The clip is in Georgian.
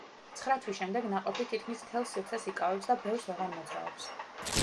ცხრა თვის შემდეგ ნაყოფი თითქმის მთელ სივრცეს იკავებს და ბევრს ვეღარ მოძრაობს.